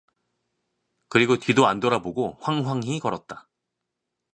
그리고 뒤도 안 돌아보고 황황히 걸었다.